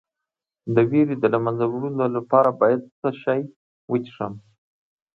د ویرې د له منځه وړلو لپاره باید څه شی وڅښم؟